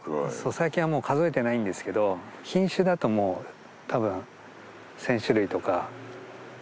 最近はもう数えてないんですけど品種だともうたぶん１０００種類！？